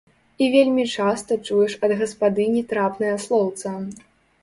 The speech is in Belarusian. І вельмі часта чуеш ад гаспадыні трапнае слоўца.